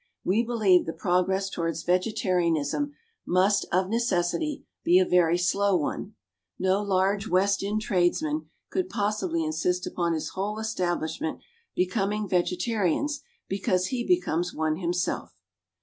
We believe the progress towards vegetarianism must of necessity be a very slow one. No large West End tradesman could possibly insist upon his whole establishment becoming vegetarians because he becomes one himself.